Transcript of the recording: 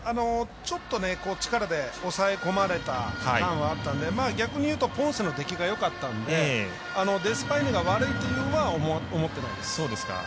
ちょっと力で抑え込まれた感はあったので逆に言うとポンセの出来がよかったのでデスパイネが悪いとは思ってないです。